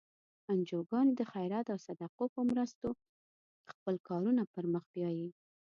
انجوګانې د خیرات او صدقو په مرستو خپل کارونه پر مخ بیایي.